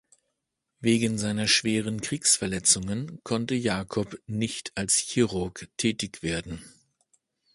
Wegen seiner schweren Kriegsverletzungen konnte Jacob nicht als Chirurg tätig werden.